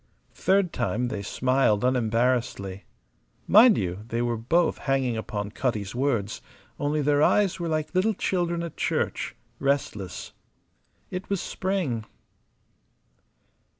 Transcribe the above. Third time, they smiled unembarrassedly. Mind you, they were both hanging upon Cutty's words; only their eyes were like little children at church, restless. It was spring.